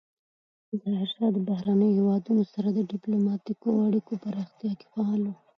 ظاهرشاه د بهرنیو هیوادونو سره د ډیپلوماتیکو اړیکو په پراختیا کې فعال و.